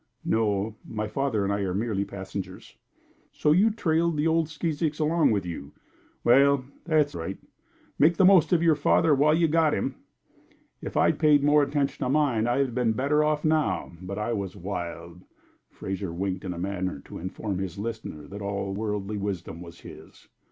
"No. My father and I are merely passengers." "So you trailed the old skeezicks along with you? Well, that's right. Make the most of your father while you've got him. If I'd paid more attention to mine I'd have been better off now. But I was wild." Fraser winked in a manner to inform his listener that all worldly wisdom was his.